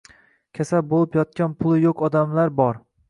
Kasal bo'lib yotgan puli yo'q odamlar bor.